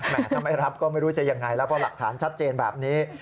ถ้าไม่รับก็ไม่รู้จะยังไงแล้วพอหลักฐานชัดเจนแบบนี้